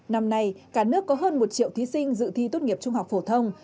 năm nay cả nước có hơn một triệu thí sinh dự thi tốt nghiệp trung học phổ thông